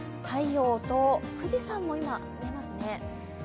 太陽と富士山も今、見えますね。